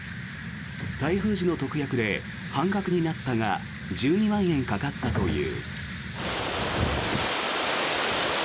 台風時の特約で半額になったが１２万円かかったという。